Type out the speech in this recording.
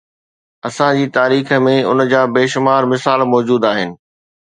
اسان جي تاريخ ۾ ان جا بيشمار مثال موجود آهن.